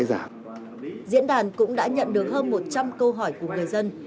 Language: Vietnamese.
diễn đàn cũng đã nhận được hơn một trăm linh câu hỏi của người dân